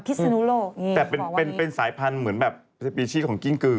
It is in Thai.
พิษศนุโลกอย่างงี้บอกว่าวันนี้แต่เป็นสายพันธุ์เหมือนแบบสปีชีของกิ้งกือ